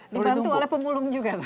dipantu oleh pemulung juga